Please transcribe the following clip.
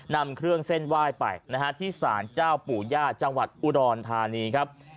นำเครื่องเส้นไหว้ไปนะฮะที่สารเจ้าปู่ย่าจังหวัดอุดรธานีครับ